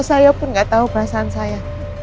saya pun nggak tahu perasaan saya